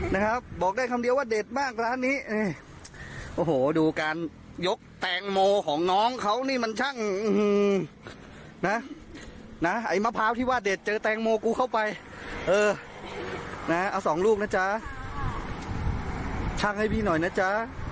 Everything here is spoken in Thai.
นะครับบอกได้คำเดียวว่าเด็ดมากร้านนี้โอ้โหดูการยกแตงโมของน้องเขานี่มันช่างนะนะไอ้มะพร้าวที่ว่าเด็ดเจอแตงโมกูเข้าไปเออนะเอาสองลูกนะจ๊ะช่างให้พี่หน่อยนะจ๊ะ